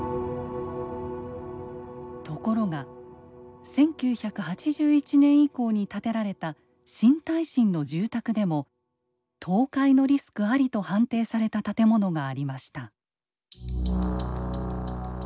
ところが１９８１年以降に建てられた新耐震の住宅でも倒壊のリスクありと判定された建物がありました。